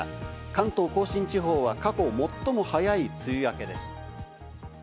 関東甲信地方は過去最も早い梅雨明けです。